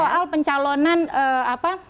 dan kemudian kemudian kemudian